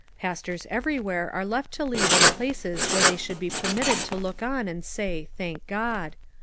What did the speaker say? Pas tors everywhere are left to lead in places where they should be permitted to look on and say ' thank God.'